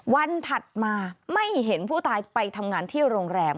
ถัดมาไม่เห็นผู้ตายไปทำงานที่โรงแรม